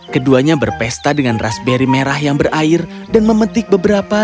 keduanya berpesta dengan raspberry merah yang berair dan memetik beberapa